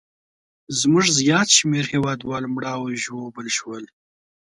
زموږ زیات شمېر هیوادوال مړه او ژوبل شول.